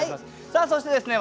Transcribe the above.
さあそしてですね